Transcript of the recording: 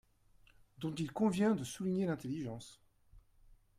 dont il convient de souligner l’intelligence.